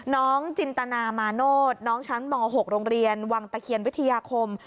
น้องจินตนามาโนธน้องชั้นม๖โรงเรียนวังตะเคียนวิทยาคม